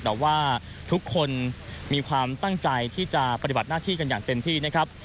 แต่ว่าทุกคนมีความตั้งใจที่จะปฏิบัติหน้าที่กันอย่างเต็มที่นะครับ